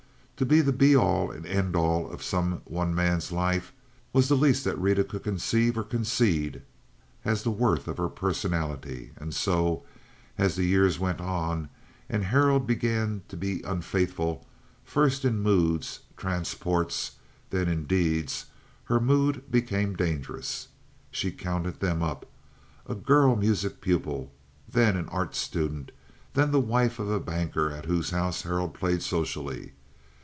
To be the be all and end all of some one man's life was the least that Rita could conceive or concede as the worth of her personality, and so, as the years went on and Harold began to be unfaithful, first in moods, transports, then in deeds, her mood became dangerous. She counted them up—a girl music pupil, then an art student, then the wife of a banker at whose house Harold played socially.